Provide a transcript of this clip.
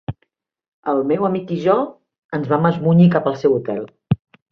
El meu amic i jo ens vam esmunyir cap al seu hotel